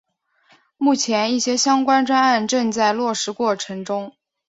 目前一些相关专案正在落实过程中。